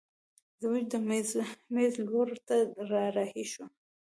زموږ د مېز لور ته رارهي شوه.